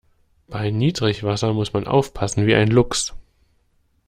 Bei Niedrigwasser muss man aufpassen wie ein Luchs.